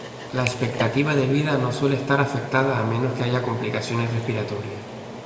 La expectativa de vida no suele estar afectada a menos que haya complicaciones respiratorias.